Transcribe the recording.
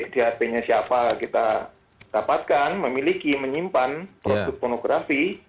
di hpnya siapa kita dapatkan memiliki menyimpan produk pornografi